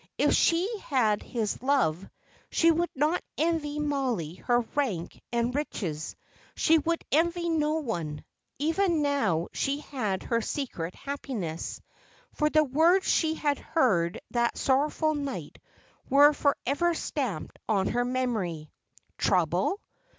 If she had his love, she would not envy Mollie her rank and riches; she would envy no one. Even now she had her secret happiness, for the words she had heard that sorrowful night were for ever stamped on her memory. "Trouble?